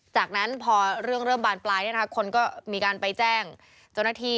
จากนั้นพอเรื่องเริ่มบานปลายคนก็มีการไปแจ้งเจ้าหน้าที่